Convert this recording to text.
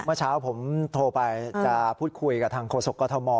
เมื่อเช้าผมโทรไปจะพูดคุยกับทางโฆษกกรทม